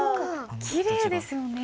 きれいですよね。